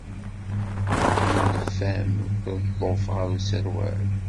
Yudef-am ukeḍḍuf ɣer userwal.